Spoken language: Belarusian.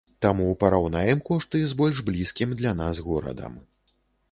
Таму параўнаем кошты з больш блізкім для нас горадам.